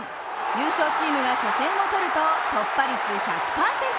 優勝チームが初戦を取ると、突破率１００％。